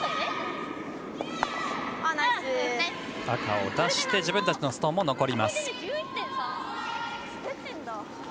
赤を出して自分たちのストーンも残ります。